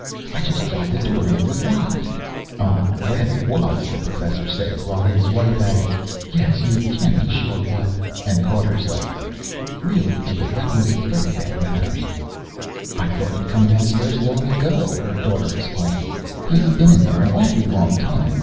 "I just tried the door and it was locked." "I'm glad it was!" the Professor said while his wife added, "Yes, you can't be sure what " and caught herself. "Really, dear, that was very bad manners." "I thought he'd come downstairs long ago," her daughter explained. "He's been in there an awfully long time.